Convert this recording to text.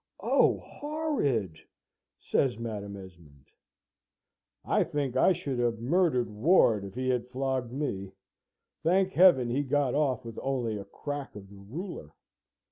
"Oh, horrid!" says Madam Esmond. "I think I should have murdered Ward if he had flogged me. Thank Heaven he got off with only a crack of the ruler!